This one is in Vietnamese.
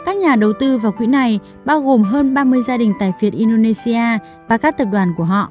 các nhà đầu tư vào quỹ này bao gồm hơn ba mươi gia đình tại việt indonesia và các tập đoàn của họ